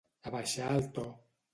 Abaixar el to.